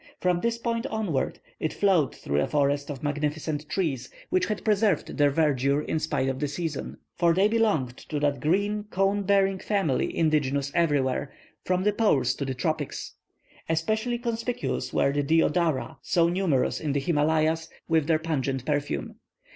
From this point onward it flowed through a forest of magnificent trees, which had preserved their verdure in spite of the season; for they belonged to that great cone bearing family indigenous everywhere, from the poles to the tropics. Especially conspicuous were the "deodara," so numerous in the Himalayas, with their pungent perfume.